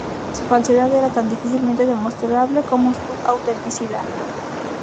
Su falsedad era tan difícilmente demostrable como su autenticidad.